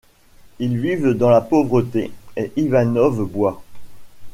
Ils vivent dans la pauvreté et Ivanov boit.